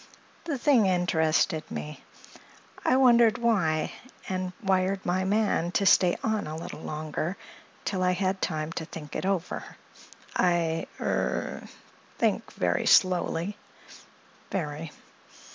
"The thing interested me. I wondered why, and wired my man to stay on a little longer, till I had time to think it over. I—er—think very slowly. Very.